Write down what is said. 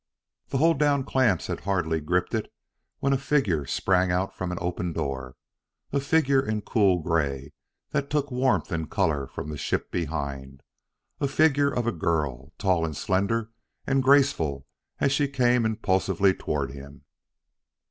The hold down clamps had hardly gripped it when a figure sprang out from an opened door. A figure in cool gray that took warmth and color from the ship behind a figure of a girl, tall and slender and graceful as she came impulsively toward him.